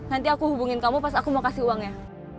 nanti aku hubungin kamu pas aku mau kasih uangnya